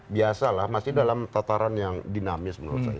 biasalah masih dalam tataran yang dinamis menurut saya